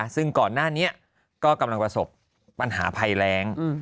ซึ่งก่อนหน้านี้ก็กำลังประสบปัญหาภัยแรง